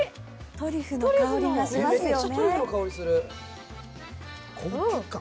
トリュフの香りがしますよね。